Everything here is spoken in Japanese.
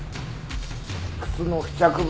靴の付着物